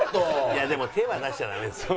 いやでも手は出しちゃダメですよ。